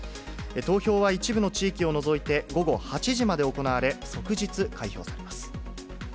投票は一部の地域を除いて午後８時まで行われ、即日開票されます。